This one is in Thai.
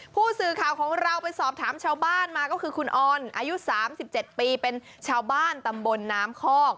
ผู้สื่อข่าวของเราไปสอบถามชาวบ้านมาก็คือคุณออนอายุ๓๗ปีเป็นชาวบ้านตำบลน้ำคอก